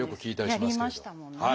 やりましたもんね。